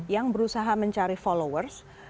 yang berusaha mencari followers